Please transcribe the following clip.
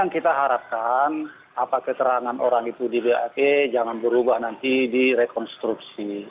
kita harapkan apa keterangan orang itu di bap jangan berubah nanti di rekonstruksi